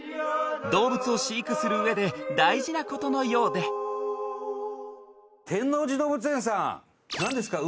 動物を飼育するうえで大事なことのようで天王寺動物園さん何ですか？